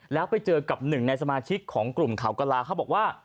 แล้วไปเจอกับหนึ่งในสมาชิกของกลุ่มเขากระลาเขาบอกว่า